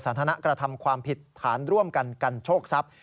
สถานะกระทำความผิดฐานร่วมกันกันโชคทรัพย์